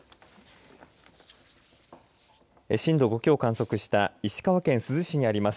震度５強を観測した石川県珠洲市にあります